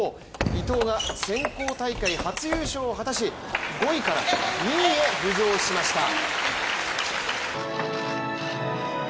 伊藤が選考大会初優勝を果たし５位から、２位へ浮上しました。